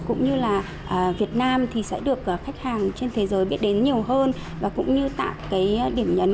cũng như là việt nam thì sẽ được khách hàng trên thế giới biết đến nhiều hơn và cũng như tạo cái điểm nhấn